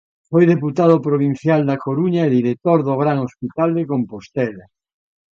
Foi deputado provincial da Coruña e director do Gran Hospital de Compostela.